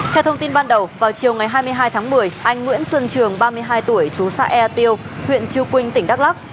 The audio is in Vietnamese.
theo thông tin ban đầu vào chiều ngày hai mươi hai tháng một mươi anh nguyễn xuân trường ba mươi hai tuổi chú xã ea tiêu huyện chư quynh tỉnh đắk lắc